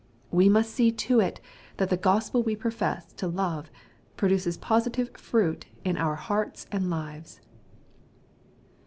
We most see to it tliat the Gospel we profess to love, produces positive ^^firuif' in our hearts and lives.